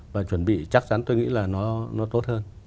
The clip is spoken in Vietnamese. và chuẩn bị chắc chắn tôi nghĩ là nó tốt hơn